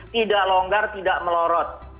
tidak longgar tidak melorot